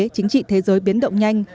chính trị thế giới biến động nhanh